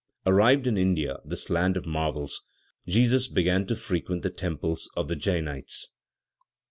Arrived in India, this land of marvels, Jesus began to frequent the temples of the Djainites.